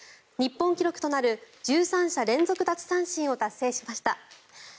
日本記録となる１３者連続奪三振を達成しました。